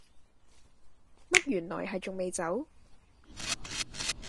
乜原來係仲未走